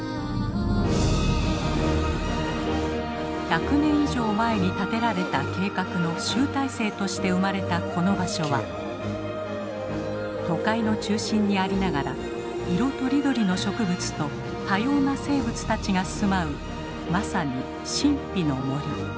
１００年以上前に立てられた計画の集大成として生まれたこの場所は都会の中心にありながら色とりどりの植物と多様な生物たちが住まうまさに神秘の森。